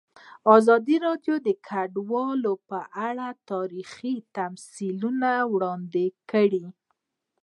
ازادي راډیو د کډوال په اړه تاریخي تمثیلونه وړاندې کړي.